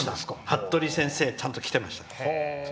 服部先生ちゃんと、きていました。